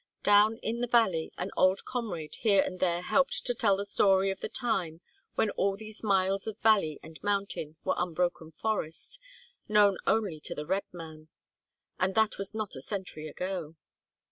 Down in the valley an old comrade here and there helped to tell the story of the time when all these miles of valley and mountain were unbroken forest, known only to the red man. And that was not a century ago.